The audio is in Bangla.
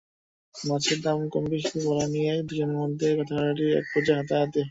মাছের দাম কমবেশি বলা নিয়ে দুজনের মধ্যে কথা-কাটাকাটির একপর্যায়ে হাতাহাতি হয়।